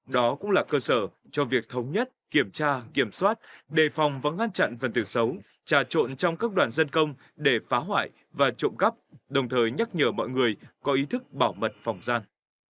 đó cũng là cơ sở cho việc thống nhất kiểm tra kiểm soát đề phòng và ngăn chặn phần tử xấu trà trộn trong các đoàn dân công để phá hoại và trộm cắp đồng thời nhắc nhở mọi người có ý thức bảo mật phòng gian